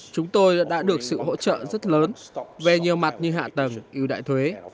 chúng tôi đã được sự hỗ trợ rất lớn về nhiều mặt như hạ tầng ưu đại thuế